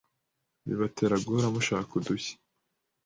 Bibatera guhora mushaka udushya,